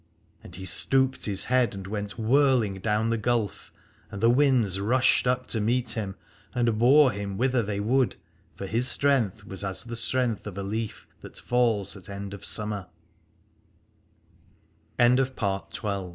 And he stooped his head and went whirling down the gulf, and the winds rushed up to meet him and bore him whither they would ; for his strength was as the strength of a leaf, that fa